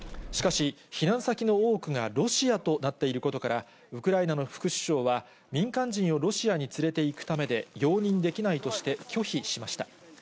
しかし、避難先の多くがロシアとなっていることから、ウクライナの副首相は、民間人をロシアに連れていくためで、容認できないとして、拒否しました。